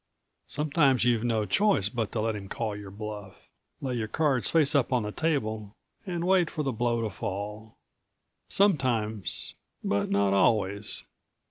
Sometimes you've no choice but to let him call your bluff, lay your cards face up on the table, and wait for the blow to fall. Sometimes ... but not always.